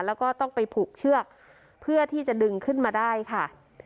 แล้วก็ต้องไปผูกเชือกเพื่อที่จะดึงขึ้นมาได้ค่ะ